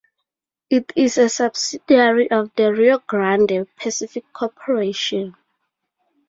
It is a subsidiary of the Rio Grande Pacific Corporation.